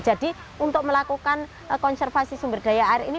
jadi untuk melakukan konservasi sumber daya air ini